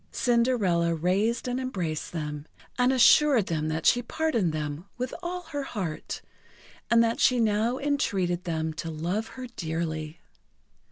Cinderella raised and embraced them, and assured them that she pardoned them with all her heart, and that she now entreated them to love her dearly.